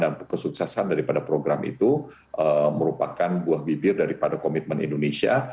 dan kesuksesan daripada program itu merupakan buah bibir daripada komitmen indonesia